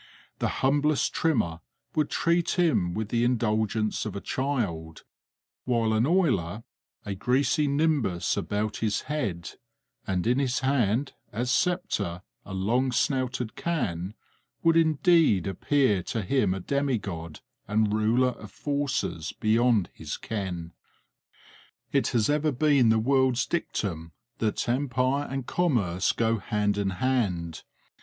The humblest trimmer would treat him with the indulgence of a child; while an oiler, a greasy nimbus about his head and in his hand, as sceptre, a long snouted can, would indeed appear to him a demigod and ruler of forces beyond his ken. It has ever been the world's dictum that empire and commerce go hand in hand.